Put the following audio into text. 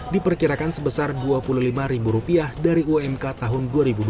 diperkirakan sebesar rp dua puluh lima dari umk tahun dua ribu dua puluh